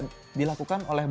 yang bisa diperlukan dari mereka